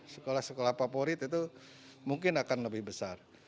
sekolah sekolah favorit itu mungkin akan lebih besar